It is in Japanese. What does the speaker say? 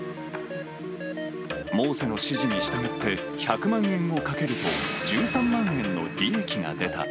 モーセの指示に従って、１００万円をかけると、１３万円の利益が出た。